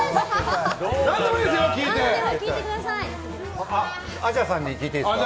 何でも聞いていいですよ！